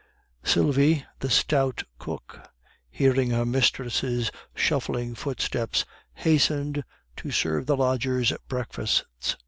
Sylvie, the stout cook, hearing her mistress' shuffling footsteps, hastened to serve the lodgers' breakfasts.